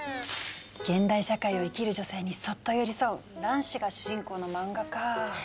現代社会を生きる女性にそっと寄り添う卵子が主人公の漫画か。